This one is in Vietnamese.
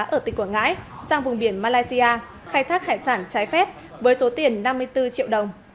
ở tỉnh quảng ngãi sang vùng biển malaysia khai thác hải sản trái phép với số tiền năm mươi bốn triệu đồng